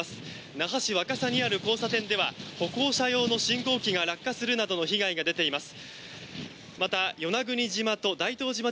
那覇市若狭にある交差点では歩行者用の信号機が落下するなどの被害が出ています。